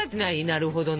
なるほど。